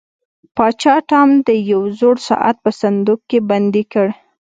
پاچا ټام د یو زوړ ساعت په صندوق کې بندي کړ.